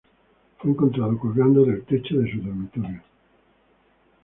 Fue encontrado colgando del techo de su dormitorio.